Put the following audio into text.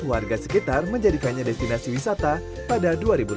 warga sekitar menjadikannya destinasi wisata pada dua ribu delapan belas